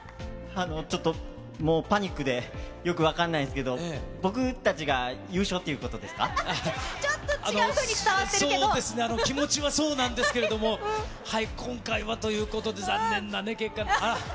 ちょっと、もうパニックで、よく分かんないですけど、ちょっと違うふうに伝わってそうですね、気持ちはそうなんですけれども、はい、今回はということで、残念な結果と。